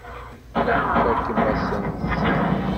Tfakem-asent-tt.